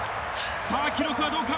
さあ、記録はどうか？